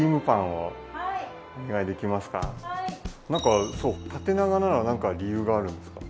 はい何かそう縦長なのは何か理由があるんですか？